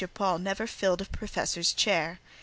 Paul never filled a professor's chair.